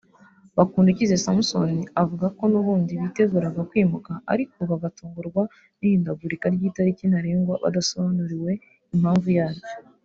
Bakundukize Samson avuga ko n’ubundi biteguraga kwimuka ariko bagatungurwa n’ihindagurika ry’itariki ntarengwa badasobanuriwe impamvu yaryo